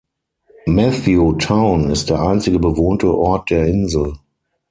Matthew Town ist der einzige bewohnte Ort der Insel.